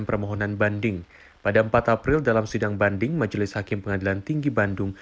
permohonan banding pada empat april dalam sidang banding majelis hakim pengadilan tinggi bandung